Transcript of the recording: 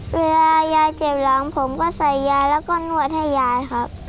เวลายายเจ็บหลังผมก็ใส่ยาแล้วก็นวดให้ยายครับ